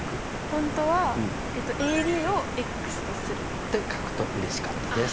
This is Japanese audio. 本当は「ＡＤをとする」。って書くとうれしかったです。